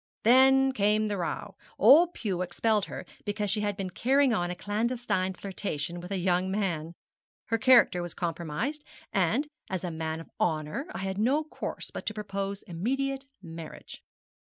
Then came the row; old Pew expelled her because she had been carrying on a clandestine flirtation with a young man. Her character was compromised, and as a man of honour I had no course but to propose immediate marriage.'